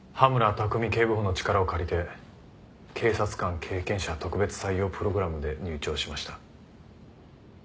琢己警部補の力を借りて警察官経験者特別採用プログラムで入庁しました。